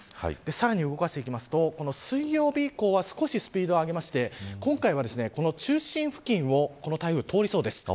さらに動かしていくと水曜日以降は少しスピードを上げて今回は、中心付近をこの台風、通りそうです。